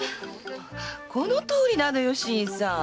このとおりなのよ新さん。